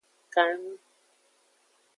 Kan enu.